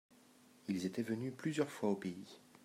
Ils étaient venus plusieurs fois au pays.